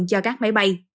cho các máy bay